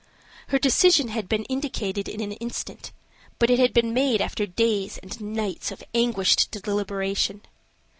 Her decision had been indicated in an instant, but it had been made after days and nights of anguished deliberation.